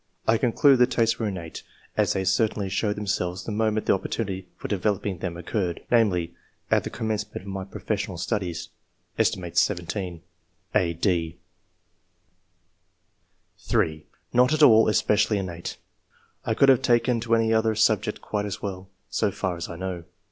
I conclude the tastes were innate, as they cer tainly showed themselves the moment the opportunity for developing them occurred, namely, at the commencement of my professional ''ea, edit. 17." (a, d) III.] ORIGIN OF TASTE FOR SCIENCE, 181 (3) "Not at all especially innate. I could have taken to any other subject quite as well, so far as I know.